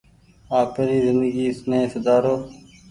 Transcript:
آپيري زندگي ني سوُدآرو ۔